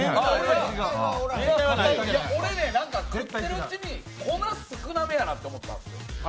俺ね、食ってるうちに粉、少なめやと思ったんです。